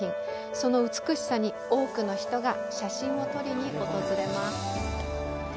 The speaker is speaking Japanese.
その美しさに多くの人が写真を撮りに訪れます。